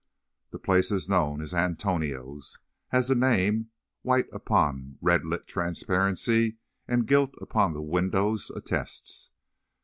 The place is known as "Antonio's," as the name, white upon the red lit transparency, and gilt upon the windows, attests.